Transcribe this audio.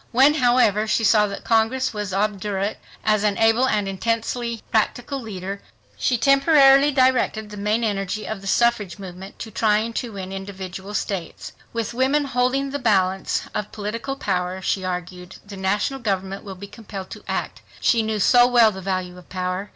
When, however, she saw that Congress was obdurate, as an able and intensely practical leader she temporarily directed the main energy of the suffrage movement to trying to win individual states. With women holding the balance of political power, she argued, the national government will be compelled to act. She knew so well the value of power.